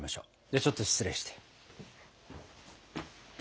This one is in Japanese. ではちょっと失礼して。